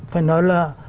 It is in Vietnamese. phải nói là